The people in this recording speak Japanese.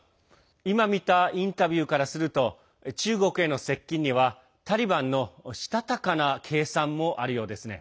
今見た、インタビューからすると中国への接近には、タリバンのしたたかな計算もあるようですね。